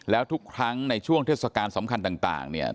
แล้วทุกครั้งในช่วงเทศกาลสำคัญต่างเนี่ย